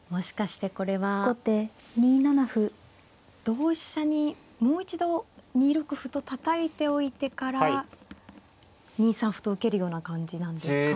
同飛車にもう一度２六歩とたたいておいてから２三歩と受けるような感じなんですか。